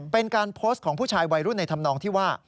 เป็นการโพสต์ของผู้ชายวัยรุ่นในธรรมนองที่ว่า